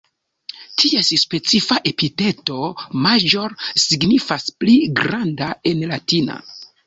Ties specifa epiteto "major", signifas "pli granda" en latina.